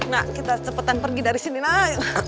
nah kita cepetan pergi dari sini nah